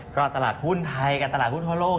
ก็ตลาดหุ้นไทยกับตลาดหุ้นทั่วโลก